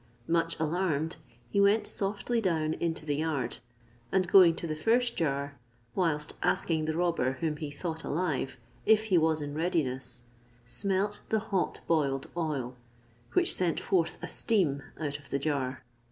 Much alarmed, he went softly down into the yard, and going to the first jar, whilst asking the robber whom he thought alive if he was in readiness, smelt the hot boiled oil, which sent forth a steam out of the jar.